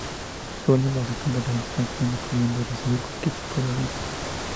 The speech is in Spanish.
Reúne los estándares internacionales pudiendo recibir cualquier tipo de avión.